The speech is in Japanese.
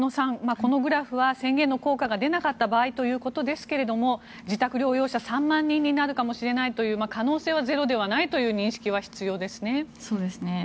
このグラフは宣言の効果が出なかった場合ということですが自宅療養者が３万人になるかもしれないという可能性はゼロではないという認識ですね。